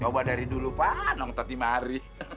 coba dari dulu panong tadi mari